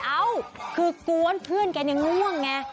เอ้าคือกวนเพื่อนกันยังง่วงไง